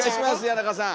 谷中さん。